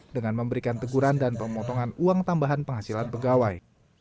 dengan memberikan teguran dan pemotongan uang tambahan penghasilan pegawai